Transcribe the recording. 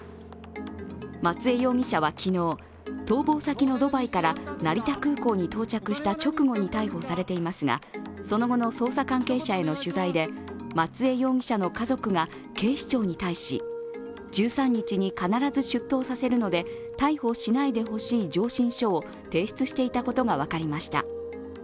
松江容疑者は昨日、逃亡先のドバイから成田空港に到着した直後に逮捕されていますがその後の捜査関係者への取材で松江容疑者の家族が警視庁に対し、１３日に必ず出頭させるので逮捕しないでほしい上申書を提出していたことが分かりました。